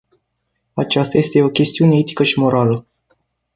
Aceasta este o chestiune etică și morală.